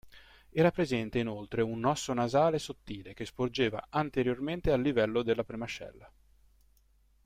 Era presente inoltre un osso nasale sottile che sporgeva anteriormente al livello della premascella.